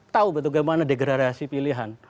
tahu betul betul bagaimana degrerasi pilihan